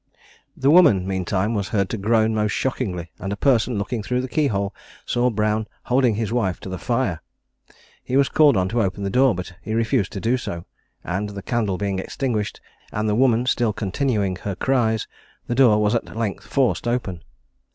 The woman, meantime, was heard to groan most shockingly, and a person looking through the keyhole, saw Brown holding his wife to the fire. He was called on to open the door, but refused to do so; and the candle being extinguished, and the woman still continuing her cries, the door was at length forced open.